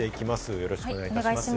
よろしくお願いします。